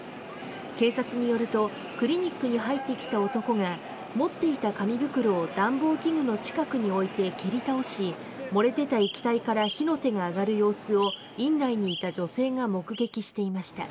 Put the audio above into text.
警察によるとクリニックに入ってきた男が持っていた紙袋を暖房器具の近くに置いて蹴り倒し漏れ出た液体から火の手が上がる様子を院内にいた女性が目撃していました。